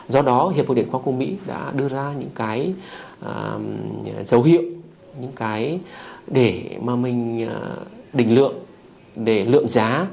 do đó hiệp hội điện khoa của mỹ đã đưa ra những cái dấu hiệu những cái để mà mình đình lượng để lượng giá